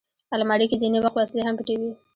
الماري کې ځینې وخت وسلې هم پټې وي